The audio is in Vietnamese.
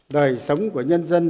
đời sống của nhân dân